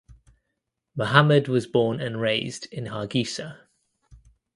Mohamed was born and raised in Hargeisa.